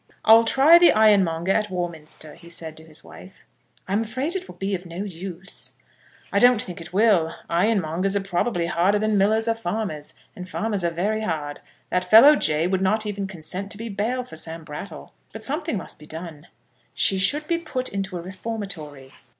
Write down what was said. "I'll try the ironmonger at Warminster," he said, to his wife. "I'm afraid it will be of no use." "I don't think it will. Ironmongers are probably harder than millers or farmers, and farmers are very hard. That fellow, Jay, would not even consent to be bail for Sam Brattle. But something must be done." "She should be put into a reformatory."